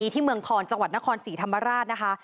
ที่เมืองคอนจังหวัดนครศรีธรรมราชนะคะ